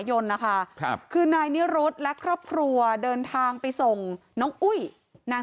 ยนต์นะคะครับคือนายนิรุธและครอบครัวเดินทางไปส่งน้องอุ้ยนาง